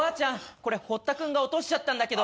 これホッタ君が落としちゃったんだけど。